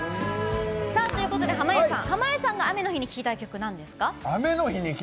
ということで濱家さん濱家さんが雨の日に聴きたい曲なんですか？